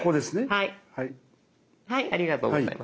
はい。